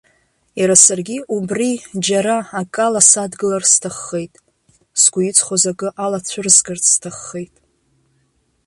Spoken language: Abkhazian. Иара саргьы убри џьара акала садгылар сҭаххеит, сгәы иҵхоз акы алацәырзгарц сҭаххеит.